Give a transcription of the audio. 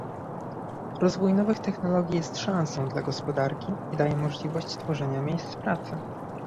Rozwój nowych technologii jest szansą dla gospodarki i daje możliwość tworzenia miejsc pracy